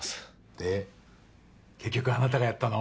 で結局あなたがやったの？